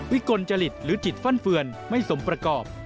กลจริตหรือจิตฟั่นเฟือนไม่สมประกอบ